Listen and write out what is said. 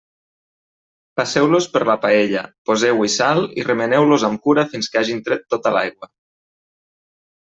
Passeu-los per la paella, poseu-hi sal i remeneu-los amb cura fins que hagin tret tota l'aigua.